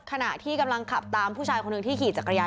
ขณะที่กำลังขับตามผู้ชายคนหนึ่งที่ขี่จักรยาน